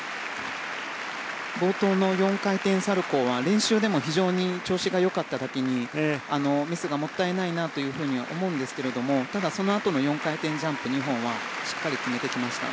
冒頭の４回転サルコウは練習でも非常に調子が良かっただけにミスがもったいないなとは思うんですがただ、そのあとの４回転ジャンプ２本はしっかり決めてきました。